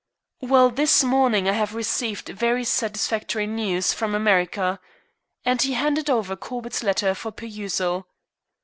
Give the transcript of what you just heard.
"Well, this morning I have received very satisfactory news from America," and he handed over Corbett's letter for perusal.